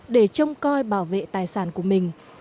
để trông coi bảo vệ tài sản của mình